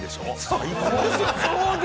最高ですよね。